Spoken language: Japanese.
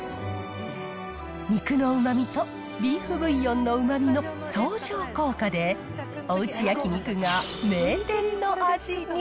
肉のうまみとビーフブイヨンのうまみの相乗効果で、おうち焼き肉が名店の味に。